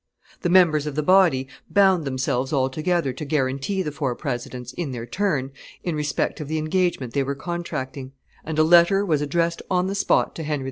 ... The members of the body bound themselves all together to guarantee the four presidents, in their turn, in respect of the engagement they were contracting, and a letter was addressed on the spot to Henry IV.